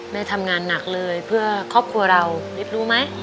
แม่ทำงานหนักเลยเพื่อครอบครัวเรานิดรู้ไหม